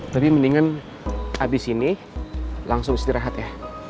tapi mendingan habis ini langsung istirahat ya